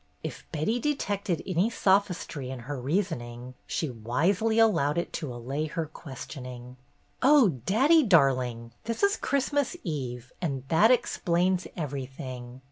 If Betty detected any sophistry in her reasoning, she wisely allowed it to allay her questioning. "Oh, daddy darling, this is Christmas Eve, and that explains everything.